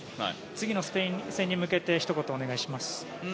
次のスペイン戦に向けてひと言お願いします。